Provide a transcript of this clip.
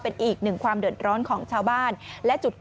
ทีนี้มาดูเรื่องของอาการคนที่บาดเจ็บนายภูกันหน่อยนะคะ